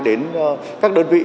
đến các đơn vị